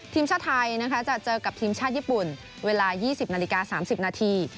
ทีมชาติไทยจะเจอกับทีมชาติญี่ปุ่นเวลา๒๐นาฬิกา๓๐นาที